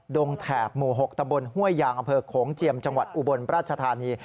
ดงแถบหมู่หกตะบนห้วยยางอเผิกของเจียมจังหวัดอุบลประชาธานี